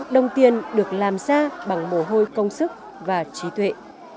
đồng tiền được làm ra bằng mồ hôi công sức và trí tuệ